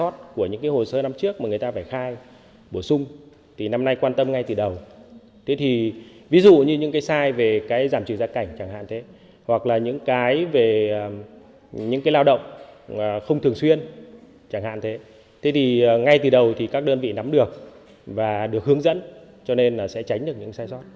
thế thì ví dụ như những cái sai về cái giảm trừ gia cảnh chẳng hạn thế hoặc là những cái về những cái lao động không thường xuyên chẳng hạn thế thế thì ngay từ đầu thì các đơn vị nắm được và được hướng dẫn cho nên là sẽ tránh được những sai sót